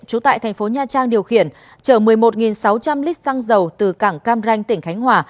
trú tại thành phố nha trang điều khiển chở một mươi một sáu trăm linh lít xăng dầu từ cảng cam ranh tỉnh khánh hòa